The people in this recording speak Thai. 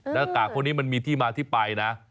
หน้ากากพวกนี้มันมีที่มาที่ไปนะ